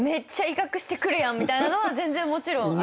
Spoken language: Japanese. みたいなのは全然もちろんあります。